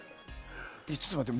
ちょっと待って。